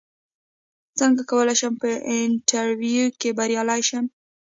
څنګه کولی شم په انټرویو کې بریالی شم